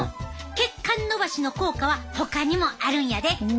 血管のばしの効果はほかにもあるんやで。